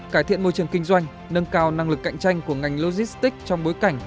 cải thiện môi trường kinh doanh nâng cao năng lực cạnh tranh của ngành logistics trong bối cảnh